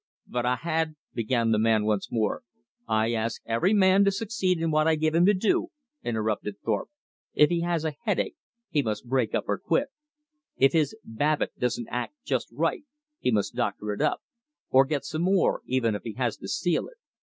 "But I had " began the man once more. "I ask every man to succeed in what I give him to do," interrupted Thorpe. "If he has a headache, he must brace up or quit. If his Babbit doesn't act just right he must doctor it up; or get some more, even if he has to steal it.